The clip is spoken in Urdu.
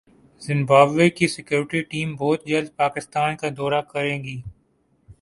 زمبابوے کی سکیورٹی ٹیم بہت جلد پاکستان کا دورہ کریگی